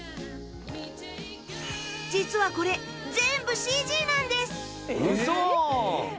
実はこれ全部 ＣＧ なんです